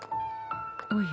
おや？